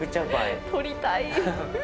撮りたい。